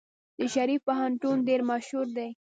د شریف پوهنتون ډیر مشهور دی.